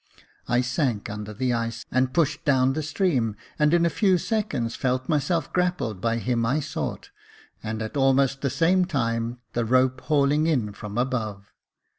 I sank under the ice, and pushed down the stream, and in a few seconds felt myself grappled by him I sought, and at almost the same time, the rope hauling in from above.